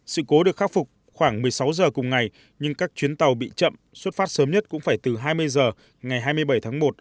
sự cố được khắc phục khoảng một mươi sáu giờ cùng ngày nhưng các chuyến tàu bị chậm xuất phát sớm nhất cũng phải từ hai mươi h ngày hai mươi bảy tháng một